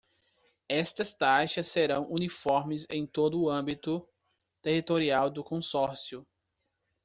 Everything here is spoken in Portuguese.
Estas taxas serão uniformes em todo o âmbito territorial do Consórcio.